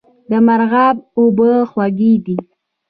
د مرغاب اوبه خوږې دي